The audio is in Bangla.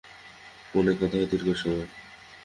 ফোনে কথা হয় দীর্ঘ সময়।